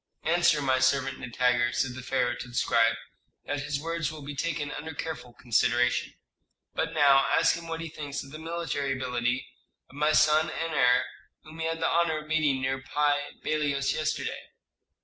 "Answer my servant Nitager," said the pharaoh to the scribe, "that his words will be taken under careful consideration. But now ask him what he thinks of the military ability of my son and heir, whom he had the honor of meeting near Pi Bailos yesterday."